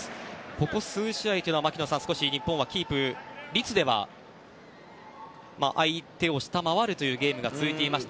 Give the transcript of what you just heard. ここ数試合というのは少し日本はキープ率では相手を下回るというゲームが続いていました。